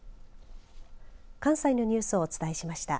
関西のニュースをお伝えしました。